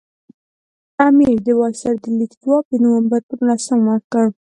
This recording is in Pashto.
امیر د وایسرا د لیک ځواب د نومبر پر نولسمه ورکړ.